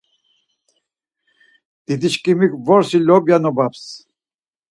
Didişkimik vorsi lobya nobams.